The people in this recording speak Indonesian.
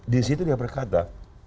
disitu dia berkata